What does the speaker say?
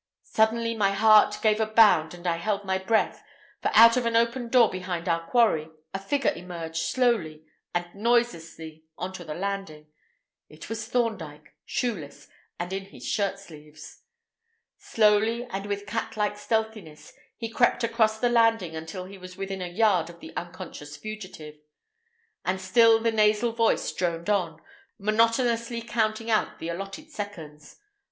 Suddenly my heart gave a bound and I held my breath, for out of an open door behind our quarry, a figure emerged slowly and noiselessly on to the landing. It was Thorndyke, shoeless, and in his shirt sleeves. Slowly and with cat like stealthiness, he crept across the landing until he was within a yard of the unconscious fugitive, and still the nasal voice droned on, monotonously counting out the allotted seconds.